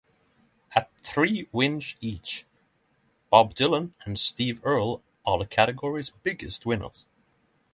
At three wins each, Bob Dylan and Steve Earle are the category's biggest winners.